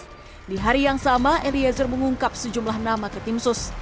di hari yang sama eliezer mengungkap sejumlah nama ke tim sus